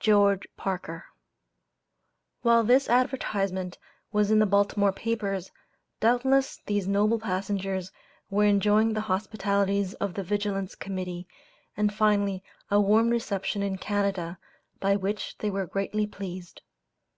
GEORGE PARKER." While this advertisement was in the Baltimore papers, doubtless these noble passengers were enjoying the hospitalities of the Vigilance Committee, and finally a warm reception in Canada, by which they were greatly pleased.